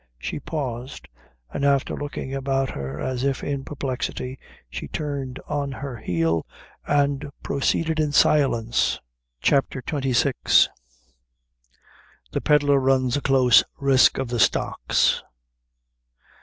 She paused, and after looking about her as if in perplexity, she turned on her heel, and proceeded in silence. CHAPTER XXVI. The Pedlar Runs a Close Risk of the Stocks.